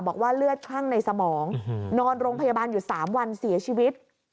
บอกว่าเลือดคลั่งในสมองนอนโรงพยาบาลอยู่๓วันเสียชีวิต